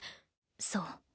そう。